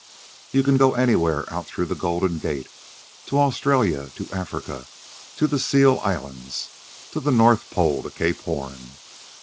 You can go anywhere out through the Golden Gate to Australia, to Africa, to the seal islands, to the North Pole, to Cape Horn.